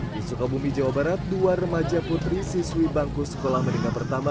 di sukabumi jawa barat dua remaja putri siswi bangku sekolah menikah pertama